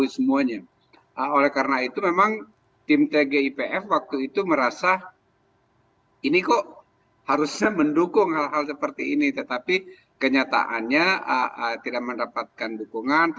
selamat sore mbak